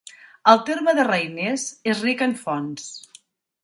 El terme de Reiners és ric en fonts.